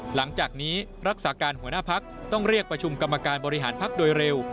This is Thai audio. หลังจากนี้รักษาการหัวหน้าพักต้องเรียกประชุมกรรมการบริหารพักโดยเร็ว